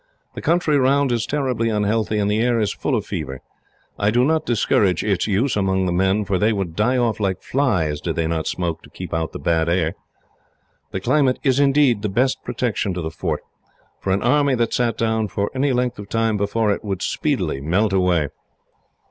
"The country round is terribly unhealthy, and the air is full of fever. I do not discourage its use among the men, for they would die off like flies, did they not smoke to keep out the bad air. The climate is, indeed, the best protection to the fort, for an army that sat down for any length of time before it, would speedily melt away."